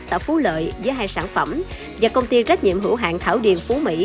xã phú lợi với hai sản phẩm và công ty trách nhiệm hữu hạng thảo điền phú mỹ